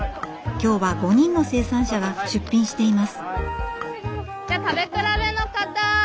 今日は５人の生産者が出品しています。